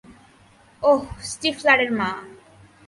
অহ, স্টিফলারের মা।